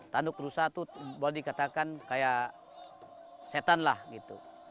tanduk rusak itu boleh dikatakan kayak setan lah gitu